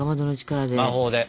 魔法で。